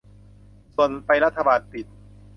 ส่วนไปรัฐบาลปิด